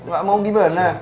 gak mau gimana